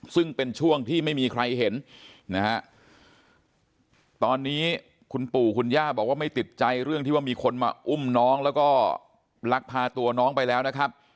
ซึ่งเป็นช่วงที่ไม่มีใครเห็นนะฮะตอนนี้คุณปู่คุณย่าบอกว่าไม่ติดใจเรื่องที่ว่ามีคนมาอุ้มน้องแล้วก็ลักพาตัวน้องไปแล้วนะครับ